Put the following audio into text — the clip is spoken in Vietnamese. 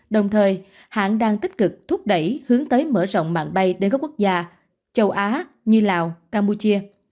đồng thời hãng đang tích cực thúc đẩy hướng tới mở rộng mạng bay đến các quốc gia châu á như lào campuchia